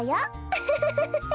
ウフフフフフ。